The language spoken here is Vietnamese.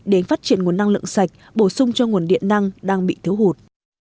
để phát triển nguồn năng lượng sạch bổ sung cho nguồn điện năng đang bị thiếu hụt